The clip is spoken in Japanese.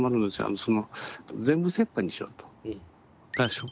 その全部折半にしようと。